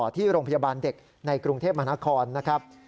ที่โรงพยาบาลเด็กในกรุงเทพมหานครนะครับ